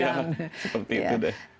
ya seperti itu deh